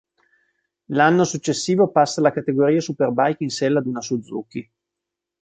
L'anno successivo passa alla categoria Superbike in sella ad una Suzuki.